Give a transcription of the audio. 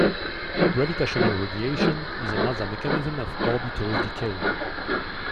Gravitational radiation is another mechanism of orbital decay.